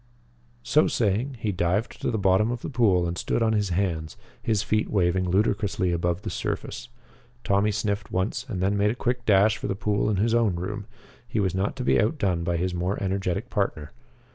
So saying, he dived to the bottom of the pool and stood on his hands, his feet waving ludicrously above the surface. Tommy sniffed once and then made a quick dash for the pool in his own room. He was not to be outdone by his more energetic partner.